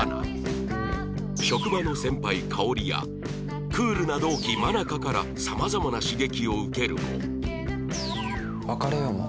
職場の先輩香織やクールな同期愛香からさまざまな刺激を受けるも